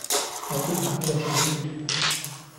有啲咁嘅樹?